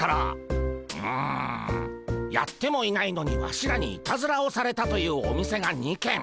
うむやってもいないのにワシらにいたずらをされたというお店が２軒。